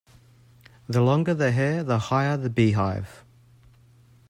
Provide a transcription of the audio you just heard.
The longer the hair, the higher the beehive.